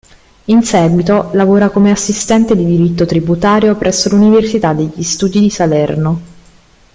In seguito, lavora come assistente di diritto tributario presso l’Università degli Studi di Salerno.